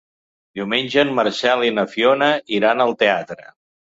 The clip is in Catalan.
Diumenge en Marcel i na Fiona iran al teatre.